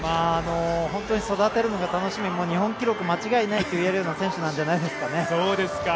本当に育てるのが楽しみ、日本記録間違いないといえるような選手じゃないですかね。